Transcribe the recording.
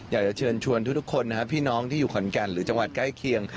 อยากจะเชิญชวนทุกคนนะครับพี่น้องที่อยู่ขอนแก่นหรือจังหวัดใกล้เคียง